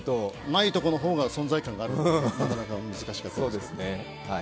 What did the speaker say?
ないところの方が存在感があるから難しかったですけど。